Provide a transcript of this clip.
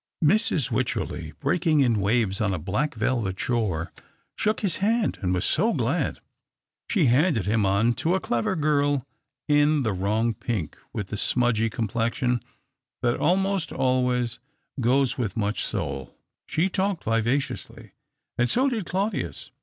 Mrs. Wycherley — breaking in waves on a black velvet shore — shook his hand and was so glad. She handed him on to a clever girl in the wrong pink, with the smudgy complexion that almost always goes with much soul. She talked vivaciously, and so did Claudius.